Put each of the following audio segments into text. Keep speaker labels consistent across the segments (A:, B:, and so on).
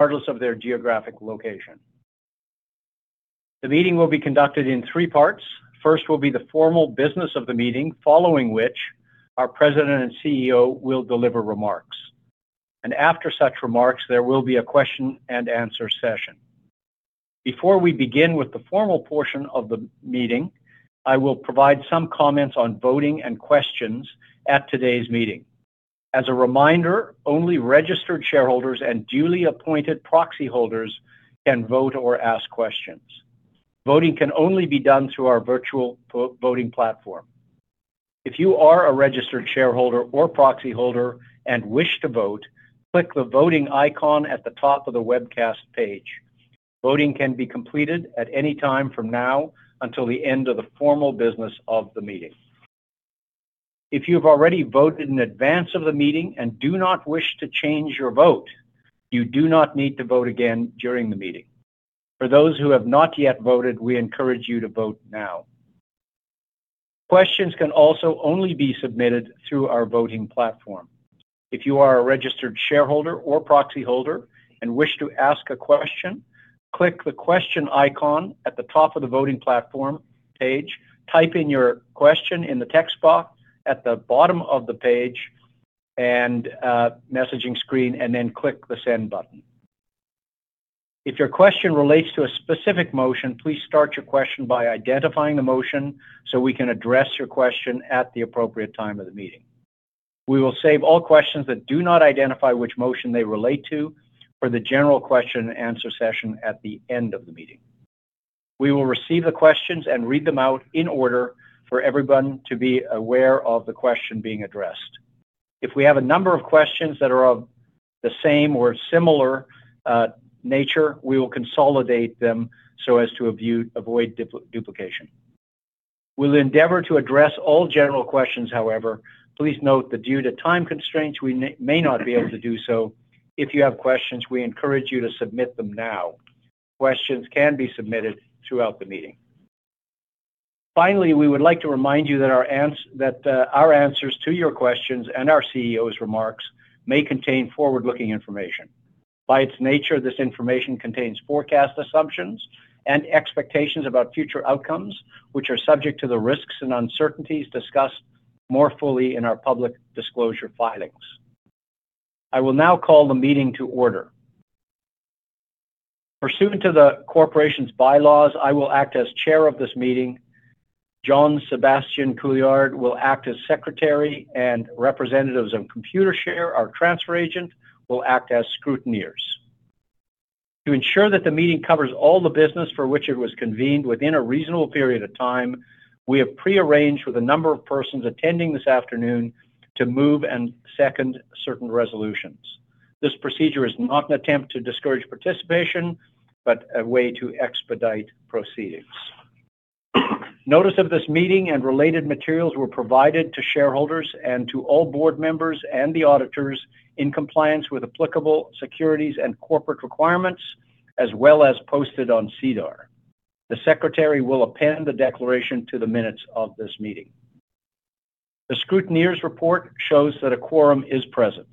A: Regardless of their geographic location. The meeting will be conducted in three parts. First will be the formal business of the meeting, following which our President and CEO will deliver remarks. After such remarks, there will be a question and answer session. Before we begin with the formal portion of the meeting, I will provide some comments on voting and questions at today's meeting. As a reminder, only registered shareholders and duly appointed proxy holders can vote or ask questions. Voting can only be done through our virtual voting platform. If you are a registered shareholder or proxy holder and wish to vote, click the voting icon at the top of the webcast page. Voting can be completed at any time from now until the end of the formal business of the meeting. If you've already voted in advance of the meeting and do not wish to change your vote, you do not need to vote again during the meeting. For those who have not yet voted, we encourage you to vote now. Questions can also only be submitted through our voting platform. If you are a registered shareholder or proxy holder and wish to ask a question, click the question icon at the top of the voting platform page, type in your question in the text box at the bottom of the page and, messaging screen, and then click the send button. If your question relates to a specific motion, please start your question by identifying the motion so we can address your question at the appropriate time of the meeting. We will save all questions that do not identify which motion they relate to for the general question and answer session at the end of the meeting. We will receive the questions and read them out in order for everyone to be aware of the question being addressed. If we have a number of questions that are of the same or similar nature, we will consolidate them so as to avoid duplication. We'll endeavor to address all general questions. However, please note that due to time constraints, we may not be able to do so. If you have questions, we encourage you to submit them now. Questions can be submitted throughout the meeting. Finally, we would like to remind you that our answers to your questions and our CEO's remarks may contain forward-looking information. By its nature, this information contains forecast assumptions and expectations about future outcomes, which are subject to the risks and uncertainties discussed more fully in our public disclosure filings. I will now call the meeting to order. Pursuant to the corporation's bylaws, I will act as chair of this meeting. Jean-Sébastien Couillard will act as Secretary, and representatives of Computershare, our transfer agent, will act as scrutineers. To ensure that the meeting covers all the business for which it was convened within a reasonable period of time, we have pre-arranged with a number of persons attending this afternoon to move and second certain resolutions. This procedure is not an attempt to discourage participation, but a way to expedite proceedings. Notice of this meeting and related materials were provided to shareholders and to all board members and the auditors in compliance with applicable securities and corporate requirements, as well as posted on SEDAR. The Secretary will append the declaration to the minutes of this meeting. The scrutineers' report shows that a quorum is present.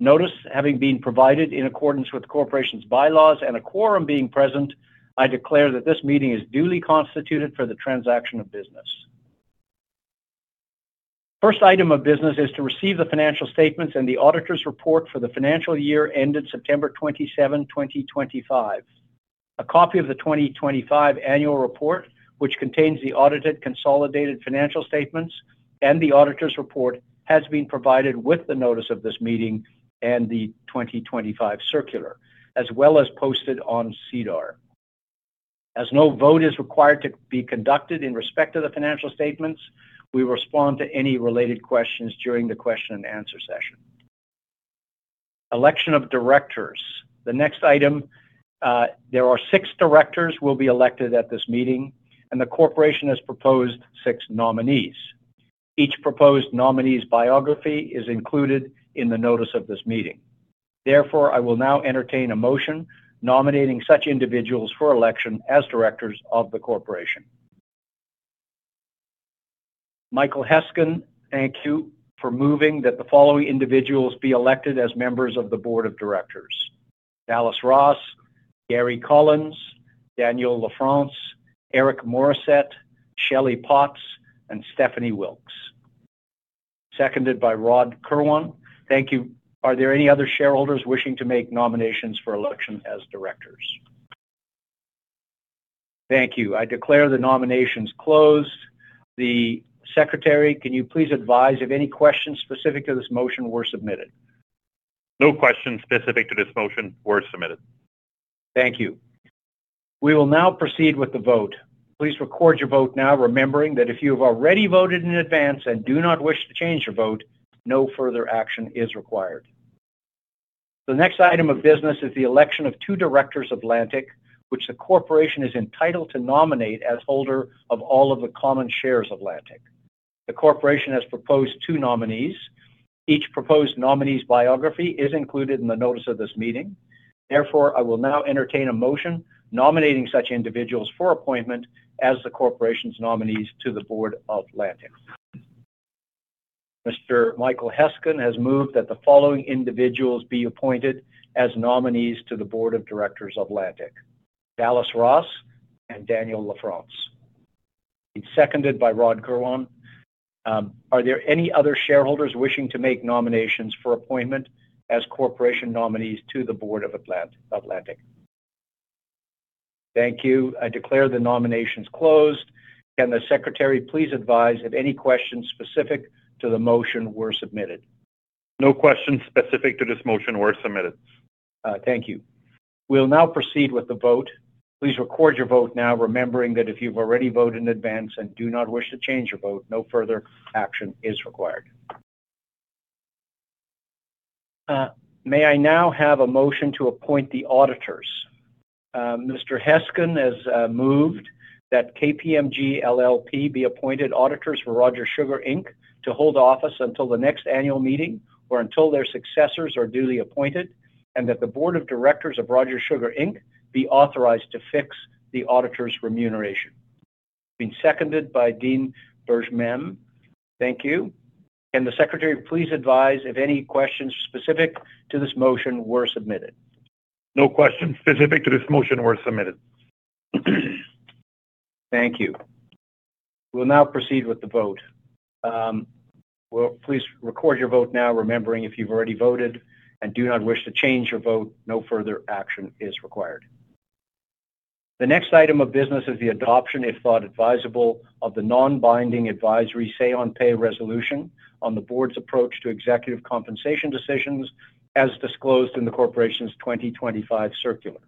A: Notice having been provided in accordance with the corporation's bylaws and a quorum being present, I declare that this meeting is duly constituted for the transaction of business. First item of business is to receive the financial statements and the auditor's report for the financial year ended September 27, 2025. A copy of the 2025 annual report, which contains the audited consolidated financial statements and the auditor's report, has been provided with the notice of this meeting and the 2025 circular, as well as posted on SEDAR. As no vote is required to be conducted in respect to the financial statements, we will respond to any related questions during the question and answer session. Election of directors. The next item, there are six directors will be elected at this meeting, and the corporation has proposed six nominees. Each proposed nominee's biography is included in the notice of this meeting. Therefore, I will now entertain a motion nominating such individuals for election as directors of the corporation. Michael Heskin, thank you for moving that the following individuals be elected as members of the board of directors: Dallas Ross, Gary Collins, Daniel Lafrance, Eric Morisset, Shelley Potts, and Stephanie Wilkes. Seconded by Rod Kirwan. Thank you. Are there any other shareholders wishing to make nominations for election as directors? Thank you. I declare the nominations closed. The Secretary, can you please advise if any questions specific to this motion were submitted?
B: No questions specific to this motion were submitted.
A: Thank you. We will now proceed with the vote. Please record your vote now, remembering that if you have already voted in advance and do not wish to change your vote, no further action is required. The next item of business is the election of two directors of Lantic, which the corporation is entitled to nominate as holder of all of the common shares of Lantic. The corporation has proposed two nominees. Each proposed nominee's biography is included in the notice of this meeting. Therefore, I will now entertain a motion nominating such individuals for appointment as the corporation's nominees to the board of Lantic. Mr. Michael Heskin has moved that the following individuals be appointed as nominees to the board of directors of Lantic: Dallas Ross and Daniel Lafrance. It's seconded by Rod Kirwan. Are there any other shareholders wishing to make nominations for appointment as corporation nominees to the board of Lantic? Thank you. I declare the nominations closed. Can the Secretary please advise if any questions specific to the motion were submitted?
B: No questions specific to this motion were submitted.
A: Thank you. We'll now proceed with the vote. Please record your vote now, remembering that if you've already voted in advance and do not wish to change your vote, no further action is required. May I now have a motion to appoint the auditors? Mr. Heskin has moved that KPMG LLP be appointed auditors for Rogers Sugar Inc., to hold office until the next annual meeting or until their successors are duly appointed, and that the Board of Directors of Rogers Sugar Inc. be authorized to fix the auditors' remuneration. It's been seconded by Dean Bergmame. Thank you. Can the Secretary please advise if any questions specific to this motion were submitted?
B: No questions specific to this motion were submitted.
A: Thank you. We'll now proceed with the vote. Well, please record your vote now, remembering if you've already voted and do not wish to change your vote, no further action is required. The next item of business is the adoption, if thought advisable, of the non-binding advisory say on pay resolution on the board's approach to executive compensation decisions, as disclosed in the corporation's 2025 circular.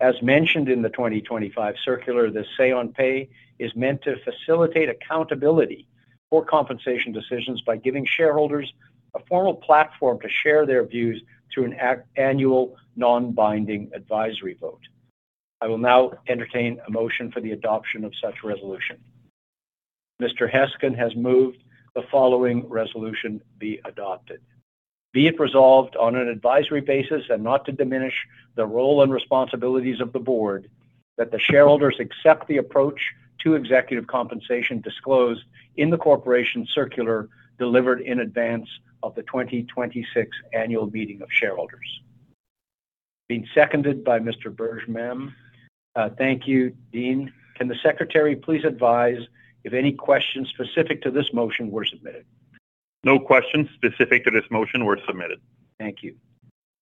A: As mentioned in the 2025 circular, the say on pay is meant to facilitate accountability for compensation decisions by giving shareholders a formal platform to share their views through an annual non-binding advisory vote. I will now entertain a motion for the adoption of such resolution. Mr. Heskin has moved the following resolution be adopted. Be it resolved on an advisory basis and not to diminish the role and responsibilities of the board, that the shareholders accept the approach to executive compensation disclosed in the corporation circular, delivered in advance of the 2026 Annual Meeting of Shareholders. Being seconded by Mr. Bergmame. Thank you, Dean. Can the Secretary please advise if any questions specific to this motion were submitted?
B: No questions specific to this motion were submitted.
A: Thank you.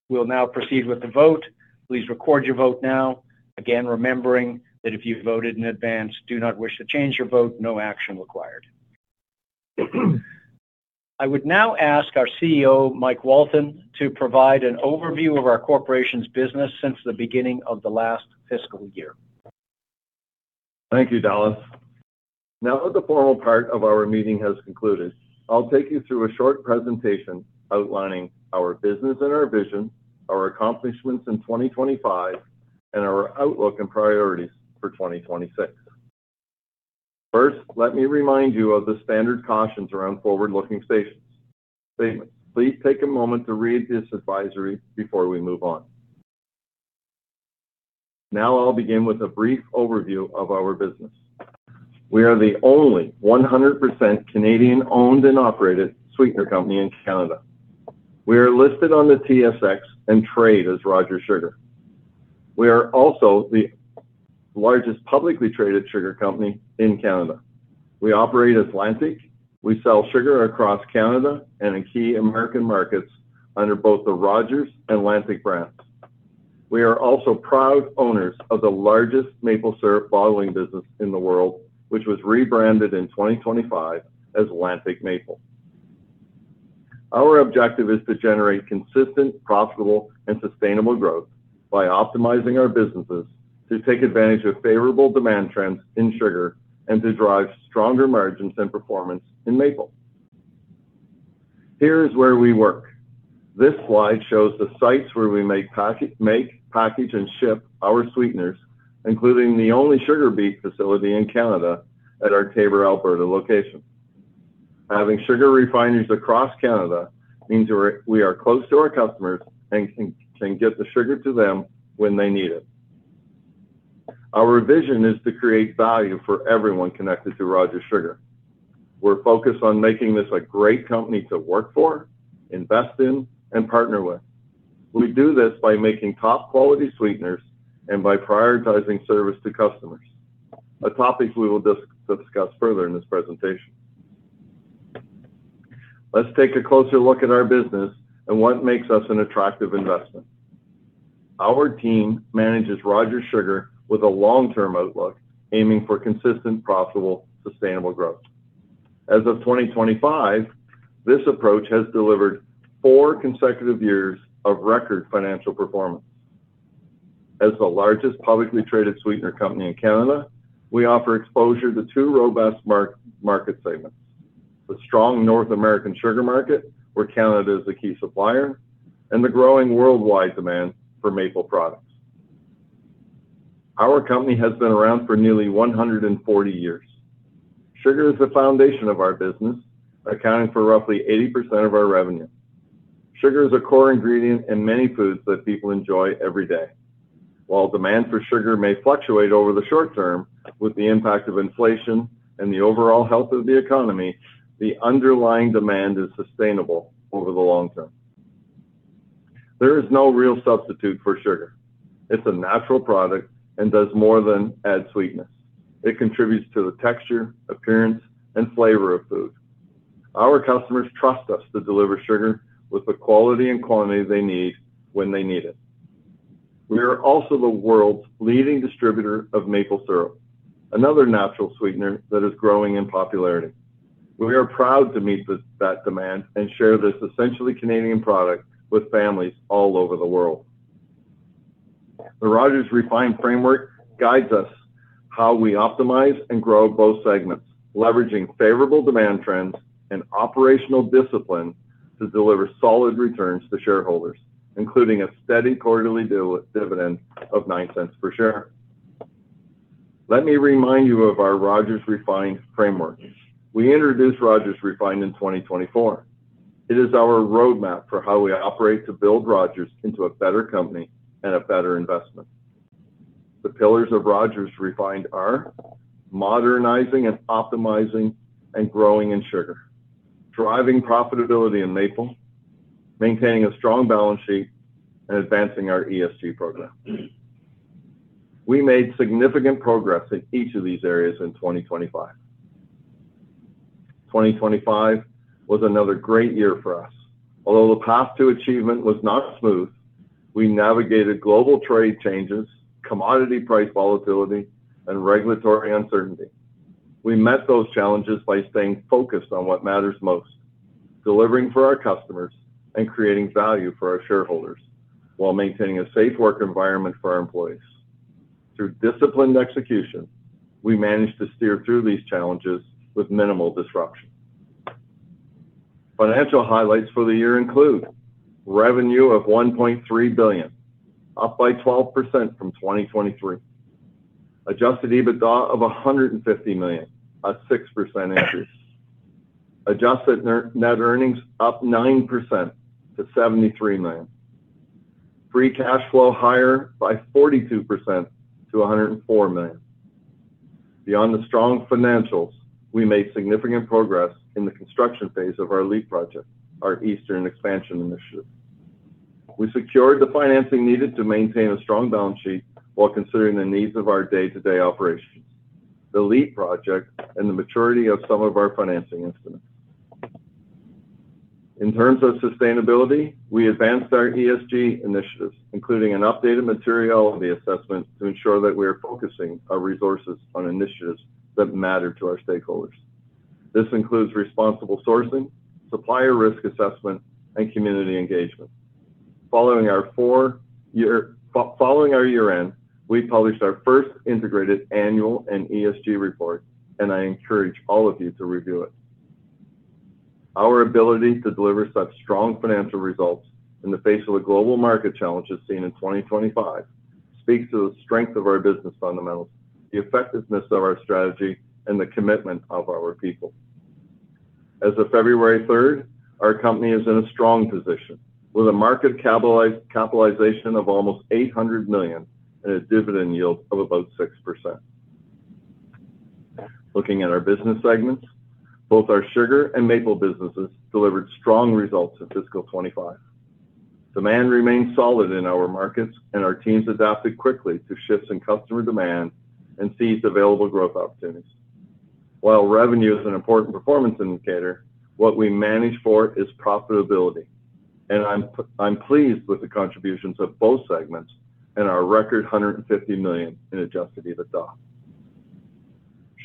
A: We'll now proceed with the vote. Please record your vote now, again, remembering that if you voted in advance, do not wish to change your vote, no action required. I would now ask our CEO, Mike Walton, to provide an overview of our corporation's business since the beginning of the last fiscal year.
C: Thank you, Dallas. Now that the formal part of our meeting has concluded, I'll take you through a short presentation outlining our business and our vision, our accomplishments in 2025, and our outlook and priorities for 2026. First, let me remind you of the standard cautions around forward-looking statements. Please take a moment to read this advisory before we move on. Now, I'll begin with a brief overview of our business. We are the only 100% Canadian-owned and operated sweetener company in Canada. We are listed on the TSX and trade as Rogers Sugar. We are also the largest publicly traded sugar company in Canada. We operate Atlantic. We sell sugar across Canada and in key American markets under both the Rogers and Atlantic brands. We are also proud owners of the largest maple syrup bottling business in the world, which was rebranded in 2025 as Lantic Maple. Our objective is to generate consistent, profitable, and sustainable growth by optimizing our businesses to take advantage of favorable demand trends in sugar and to drive stronger margins and performance in maple. Here is where we work. This slide shows the sites where we make, package, and ship our sweeteners, including the only sugar beet facility in Canada at our Taber, Alberta location. Having sugar refineries across Canada means we are close to our customers and can get the sugar to them when they need it. Our vision is to create value for everyone connected to Rogers Sugar. We're focused on making this a great company to work for, invest in, and partner with. We do this by making top-quality sweeteners and by prioritizing service to customers, a topic we will discuss further in this presentation. Let's take a closer look at our business and what makes us an attractive investment. Our team manages Rogers Sugar with a long-term outlook, aiming for consistent, profitable, sustainable growth. As of 2025, this approach has delivered four consecutive years of record financial performance. As the largest publicly traded sweetener company in Canada, we offer exposure to two robust market segments: the strong North American sugar market, where Canada is a key supplier, and the growing worldwide demand for maple products. Our company has been around for nearly 140 years. Sugar is the foundation of our business, accounting for roughly 80% of our revenue. Sugar is a core ingredient in many foods that people enjoy every day. While demand for sugar may fluctuate over the short term, with the impact of inflation and the overall health of the economy, the underlying demand is sustainable over the long term. There is no real substitute for sugar. It's a natural product and does more than add sweetness. It contributes to the texture, appearance, and flavor of food. Our customers trust us to deliver sugar with the quality and quantity they need, when they need it. We are also the world's leading distributor of maple syrup, another natural sweetener that is growing in popularity. We are proud to meet that demand and share this essentially Canadian product with families all over the world. The Rogers Refined framework guides us how we optimize and grow both segments, leveraging favorable demand trends and operational discipline to deliver solid returns to shareholders, including a steady quarterly dividend of 0.09 per share. Let me remind you of our Rogers Refined framework. We introduced Rogers Refined in 2024. It is our roadmap for how we operate to build Rogers into a better company and a better investment. The pillars of Rogers Refined are: modernizing and optimizing and growing in sugar, driving profitability in maple, maintaining a strong balance sheet, and advancing our ESG program. We made significant progress in each of these areas in 2025. 2025 was another great year for us. Although the path to achievement was not smooth, we navigated global trade changes, commodity price volatility, and regulatory uncertainty. We met those challenges by staying focused on what matters most, delivering for our customers and creating value for our shareholders, while maintaining a safe work environment for our employees. Through disciplined execution, we managed to steer through these challenges with minimal disruption. Financial highlights for the year include: revenue of 1.3 billion, up by 12% from 2023. Adjusted EBITDA of 150 million, a 6% increase. Adjusted net earnings up 9% to 73 million. Free cash flow higher by 42% to 104 million. Beyond the strong financials, we made significant progress in the construction phase of our LEAP Project, our eastern expansion initiative. We secured the financing needed to maintain a strong balance sheet while considering the needs of our day-to-day operations, the LEAP Project, and the maturity of some of our financing instruments. In terms of sustainability, we advanced our ESG initiatives, including an updated materiality assessment, to ensure that we are focusing our resources on initiatives that matter to our stakeholders. This includes responsible sourcing, supplier risk assessment, and community engagement. Following our year-end, we published our first integrated annual and ESG report, and I encourage all of you to review it. Our ability to deliver such strong financial results in the face of the global market challenges seen in 2025, speaks to the strength of our business fundamentals, the effectiveness of our strategy, and the commitment of our people. As of February 3rd, our company is in a strong position, with a market capitalization of almost 800 million and a dividend yield of about 6%. Looking at our business segments, both our sugar and maple businesses delivered strong results in fiscal 2025. Demand remained solid in our markets, and our teams adapted quickly to shifts in customer demand and seized available growth opportunities. While revenue is an important performance indicator, what we manage for is profitability, and I'm pleased with the contributions of both segments and our record 150 million in adjusted EBITDA.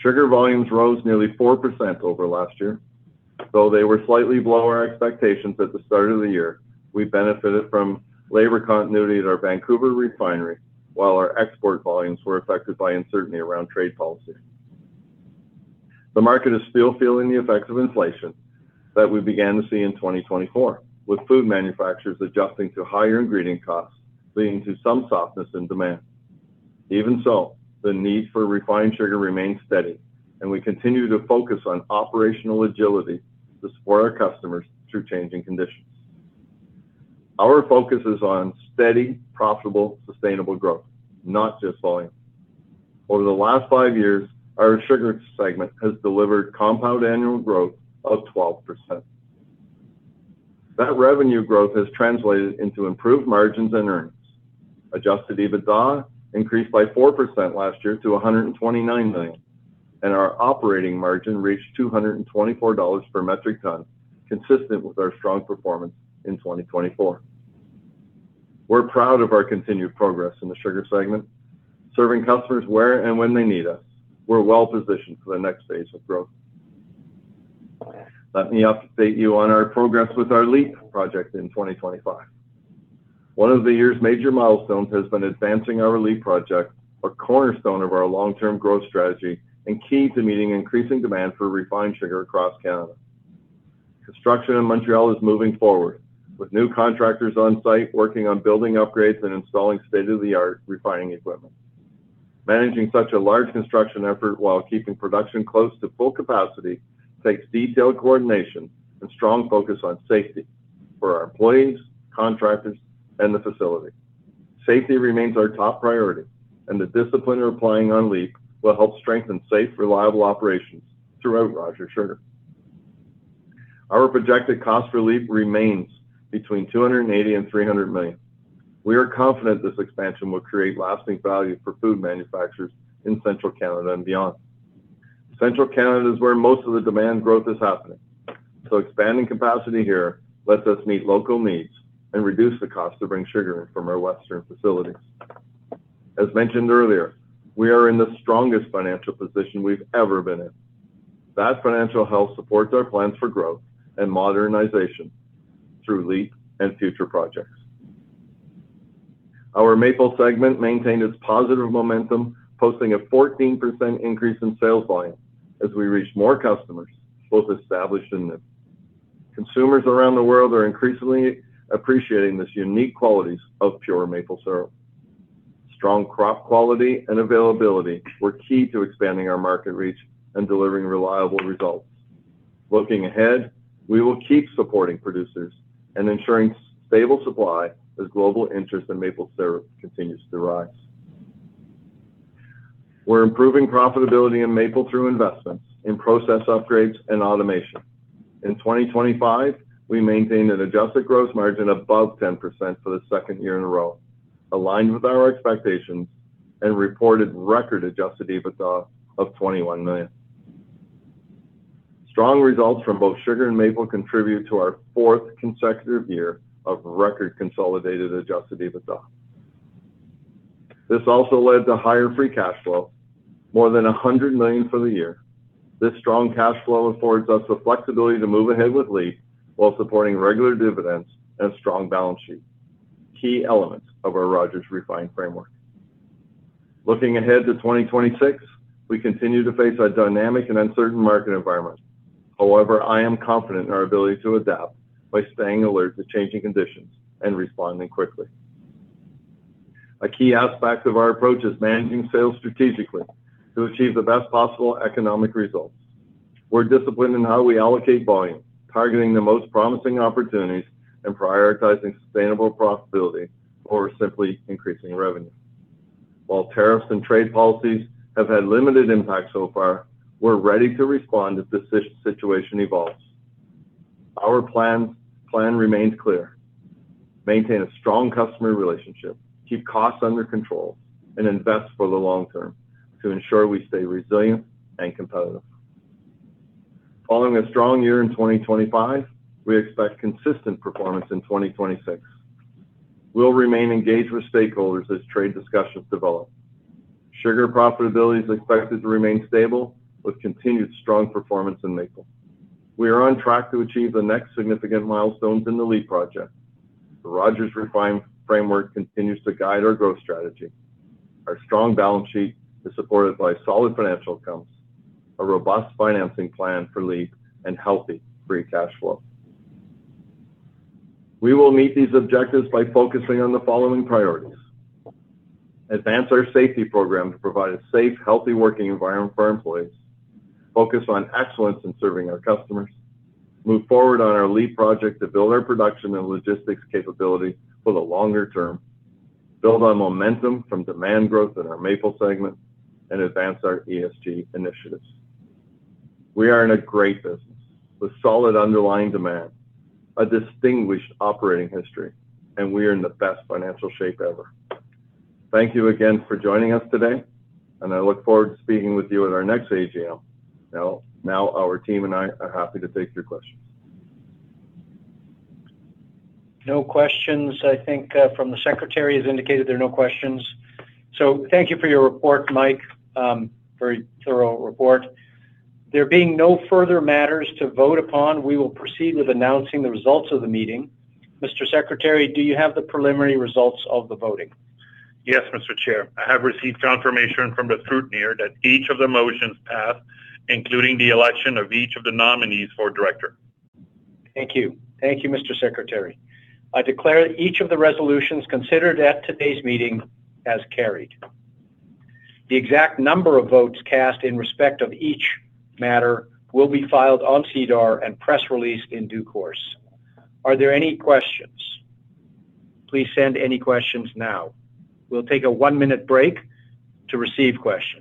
C: Sugar volumes rose nearly 4% over last year. Though they were slightly below our expectations at the start of the year, we benefited from labor continuity at our Vancouver refinery, while our export volumes were affected by uncertainty around trade policy. The market is still feeling the effects of inflation that we began to see in 2024, with food manufacturers adjusting to higher ingredient costs, leading to some softness in demand. Even so, the need for refined sugar remains steady, and we continue to focus on operational agility to support our customers through changing conditions. Our focus is on steady, profitable, sustainable growth, not just volume. Over the last five years, our sugar segment has delivered compound annual growth of 12%. That revenue growth has translated into improved margins and earnings. Adjusted EBITDA increased by 4% last year to 129 million, and our operating margin reached 224 dollars per metric ton, consistent with our strong performance in 2024. We're proud of our continued progress in the sugar segment, serving customers where and when they need us. We're well-positioned for the next phase of growth. Let me update you on our progress with our LEAP Project in 2025. One of the year's major milestones has been advancing our LEAP Project, a cornerstone of our long-term growth strategy and key to meeting increasing demand for refined sugar across Canada. Construction in Montreal is moving forward, with new contractors on site working on building upgrades and installing state-of-the-art refining equipment. Managing such a large construction effort while keeping production close to full capacity takes detailed coordination and strong focus on safety for our employees, contractors, and the facility. Safety remains our top priority, and the discipline we're applying on LEAP will help strengthen safe, reliable operations throughout Rogers Sugar. Our projected cost for LEAP remains between 280 million and 300 million. We are confident this expansion will create lasting value for food manufacturers in central Canada and beyond. Central Canada is where most of the demand growth is happening, so expanding capacity here lets us meet local needs and reduce the cost to bring sugar in from our western facilities. As mentioned earlier, we are in the strongest financial position we've ever been in. That financial health supports our plans for growth and modernization through Leap and future projects. Our Maple segment maintained its positive momentum, posting a 14% increase in sales volume as we reached more customers, both established and new. Consumers around the world are increasingly appreciating this unique qualities of pure maple syrup. Strong crop quality and availability were key to expanding our market reach and delivering reliable results. Looking ahead, we will keep supporting producers and ensuring stable supply as global interest in maple syrup continues to rise. We're improving profitability in Maple through investments, in process upgrades, and automation. In 2025, we maintained an adjusted gross margin above 10% for the second year in a row, aligned with our expectations and reported record adjusted EBITDA of 21 million. Strong results from both Sugar and Maple contribute to our fourth consecutive year of record consolidated adjusted EBITDA. This also led to higher free cash flow, more than 100 million for the year. This strong cash flow affords us the flexibility to move ahead with Leap while supporting regular dividends and strong balance sheet, key elements of our Rogers Refined Framework. Looking ahead to 2026, we continue to face a dynamic and uncertain market environment. However, I am confident in our ability to adapt by staying alert to changing conditions and responding quickly. A key aspect of our approach is managing sales strategically to achieve the best possible economic results. We're disciplined in how we allocate volume, targeting the most promising opportunities and prioritizing sustainable profitability over simply increasing revenue. While tariffs and trade policies have had limited impact so far, we're ready to respond as the situation evolves. Our plan remains clear: maintain a strong customer relationship, keep costs under control, and invest for the long term to ensure we stay resilient and competitive. Following a strong year in 2025, we expect consistent performance in 2026. We'll remain engaged with stakeholders as trade discussions develop. Sugar profitability is expected to remain stable with continued strong performance in Maple. We are on track to achieve the next significant milestones in the LEAP Project. The Rogers Refined Framework continues to guide our growth strategy. Our strong balance sheet is supported by solid financial accounts, a robust financing plan for LEAP, and healthy free cash flow. We will meet these objectives by focusing on the following priorities: Advance our safety program to provide a safe, healthy working environment for our employees. Focus on excellence in serving our customers. Move forward on our LEAP Project to build our production and logistics capability for the longer term. Build on momentum from demand growth in our Maple segment, and advance our ESG initiatives. We are in a great business with solid underlying demand, a distinguished operating history, and we are in the best financial shape ever. Thank you again for joining us today, and I look forward to speaking with you at our next AGM. Now, our team and I are happy to take your questions.
A: No questions. I think, the Secretary has indicated there are no questions. So thank you for your report, Mike. Very thorough report. There being no further matters to vote upon, we will proceed with announcing the results of the meeting. Mr. Secretary, do you have the preliminary results of the voting?
B: Yes, Mr. Chair. I have received confirmation from the scrutineer that each of the motions passed, including the election of each of the nominees for director.
A: Thank you. Thank you, Mr. Secretary. I declare each of the resolutions considered at today's meeting as carried. The exact number of votes cast in respect of each matter will be filed on SEDAR and press released in due course. Are there any questions? Please send any questions now. We'll take a one minute break to receive questions.